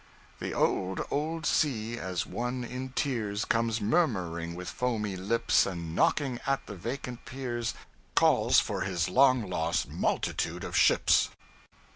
'The old, old sea, as one in tears, Comes murmuring, with foamy lips, And knocking at the vacant piers, Calls for his long lost multitude of ships.'